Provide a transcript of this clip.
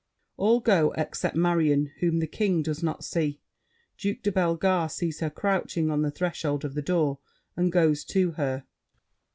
[All go out except Marion, whom The King does not see. Duke de Bellegarde sees her crouching on the threshold of the door and goes to her.